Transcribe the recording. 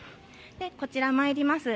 こちらまいります。